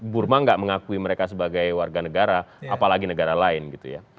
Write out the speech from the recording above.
burma nggak mengakui mereka sebagai warga negara apalagi negara lain gitu ya